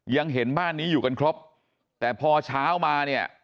ยังเห็นบ้านนี้อยู่กันครบแต่พอเช้ามาเนี่ย